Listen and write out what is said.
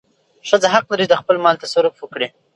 ښځه حق لري چې د خپل مال تصرف وکړي.